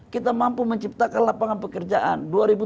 kita mampu menciptakan lapangan pekerjaan